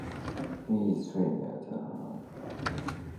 His trainer Don Turner implored him to use his legs.